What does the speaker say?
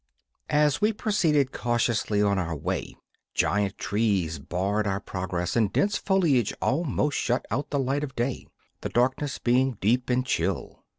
As we proceeded cautiously on our way giant trees barred our progress and dense foliage almost shut out the light of day, the darkness being deep and chill.